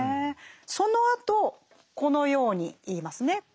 そのあとこのように言いますね。